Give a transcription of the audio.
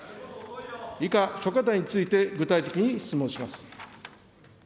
以下、諸課題について具体的に質問します。